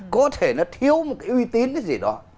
có thể nó thiếu một cái uy tín cái gì đó